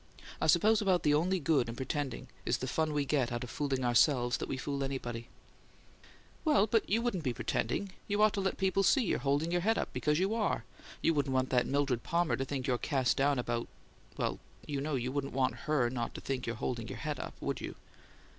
I suppose about the only good in pretending is the fun we get out of fooling ourselves that we fool somebody." "Well, but it wouldn't be pretending. You ought to let people see you're still holding your head up because you ARE. You wouldn't want that Mildred Palmer to think you're cast down about well, you know you wouldn't want HER not to think you're holding your head up, would you?"